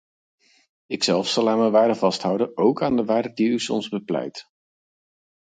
Ikzelf zal aan mijn waarden vasthouden, óók aan de waarden die u soms bepleit.